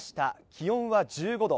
気温は１５度。